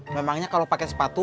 memangnya kalo pake sepatu